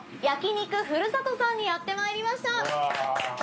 『焼肉ふるさと』さんにやってまいりました！